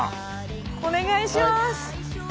お願いします。